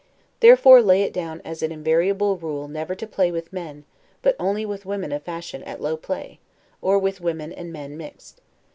Therefore lay it down as an invariable rule never to play with men, but only with women of fashion, at low play, or with women and men mixed.